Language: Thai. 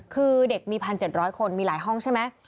คือเด็กมี๑๗๐๐คนมีหลายห้องใช่ไหม